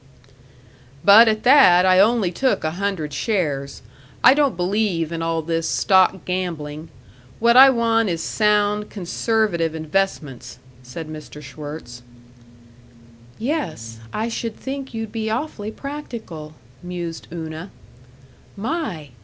"But at that, I only took a hundred shares. I don't believe in all this stock gambling. What I want is sound, conservative investments," said Mr. Schwirtz. "Yes, I should think you'd be awfully practical," mused Una. "My!